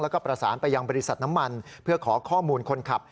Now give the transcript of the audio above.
แล้วก็ประสานไปยังบริษัทน้ำมันเพื่อขอข้อมูลคนขับ